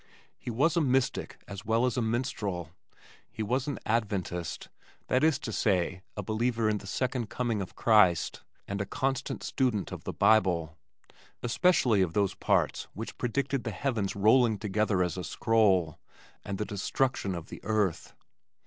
He was a mystic as well as a minstrel. He was an "Adventist" that is to say a believer in the Second Coming of Christ, and a constant student of the Bible, especially of those parts which predicted the heavens rolling together as a scroll, and the destruction of the earth.